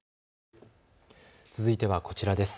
続いてはこちらです。